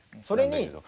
それに。